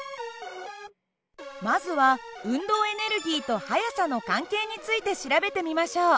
まずは運動エネルギーと速さの関係について調べてみましょう。